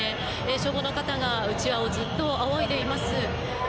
消防の方がうちわをずっとあおいでいます。